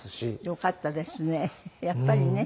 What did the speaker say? よかったですねやっぱりね。